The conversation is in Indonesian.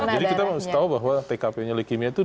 jadi kita mesti tahu bahwa tkp nya leukemia itu